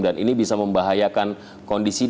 dan ini bisa membahayakan kondisi